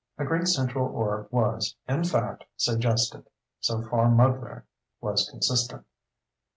A great central orb was, in fact, suggested; so far Mudler was consistent.